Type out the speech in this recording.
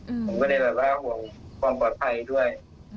ผมก็เลยแบบว่าห่วงความปลอดภัยด้วย